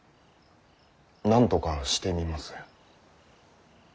なんとかしてみます。